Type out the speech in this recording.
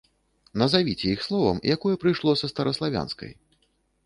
Назавіце іх словам, якое прыйшло са стараславянскай.